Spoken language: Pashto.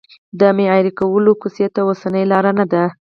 د معیاري کولو کوڅې ته اوسنۍ لار نه ده.